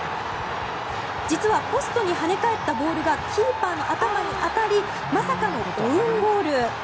実は、ポストに跳ね返ったボールがキーパーの頭に当たりまさかのオウンゴール。